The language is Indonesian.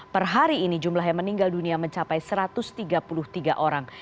per hari ini jumlah yang meninggal dunia mencapai satu ratus tiga puluh tiga orang